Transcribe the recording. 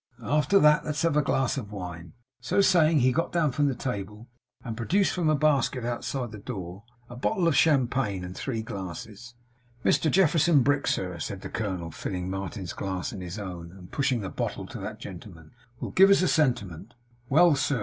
After that, let's have a glass of wine!' So saying, he got down from the table, and produced, from a basket outside the door, a bottle of champagne, and three glasses. 'Mr Jefferson Brick, sir,' said the colonel, filling Martin's glass and his own, and pushing the bottle to that gentleman, 'will give us a sentiment.' 'Well, sir!